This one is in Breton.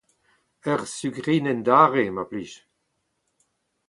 Ur sukrinenn darev, mar plij.